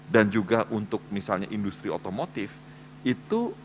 dan juga untuk misalnya industri otomotif itu keempat dari lima top five